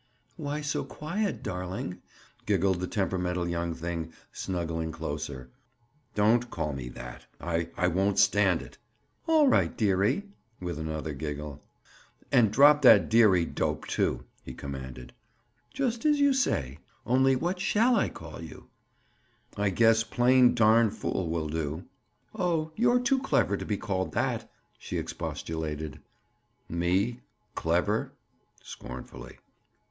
"Why so quiet, darling?" giggled the temperamental young thing, snuggling closer. "Don't call me that. I—I won't stand it." "All right, dearie." With another giggle. "And drop that 'dearie' dope, too," he commanded. "Just as you say. Only what shall I call you?" "I guess plain 'darn fool' will do." "Oh, you're too clever to be called that," she expostulated. "Me, clever?" Scornfully.